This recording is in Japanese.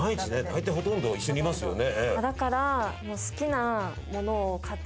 だいたいほとんど一緒にいますよね。